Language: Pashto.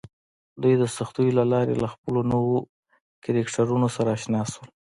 دوی د سختیو له لارې له خپلو نویو کرکټرونو سره اشنا شول